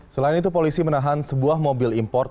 selain itu polisi menahan sebuah mobil import